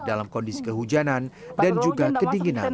dalam kondisi kehujanan dan juga kedinginan